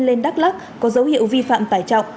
lên đắk lắc có dấu hiệu vi phạm tải trọng